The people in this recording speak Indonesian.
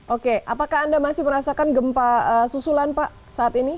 oke apakah anda masih merasakan gempa susulan pak saat ini